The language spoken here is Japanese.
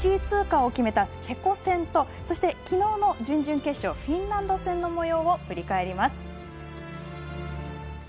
通過を決めたチェコ戦とそして昨日の準々決勝フィンランド戦のもようです。